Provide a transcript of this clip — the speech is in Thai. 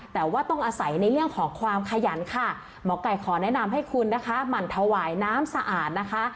แต่ว่าต้องอาศัยในเรื่องของความขยันค่ะหมอไก่ขอแนะนำให้คุณนะคะหมั่นถวายน้ำสะอาดนะคะ